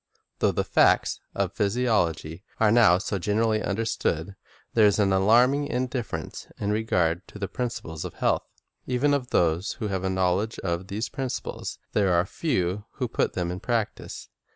Though the facts of physiology are now so gen erally understood, there is an alarming indifference in regard to the principles of health. Even of those who have a knowledge of these principles, there are few who put them in practise.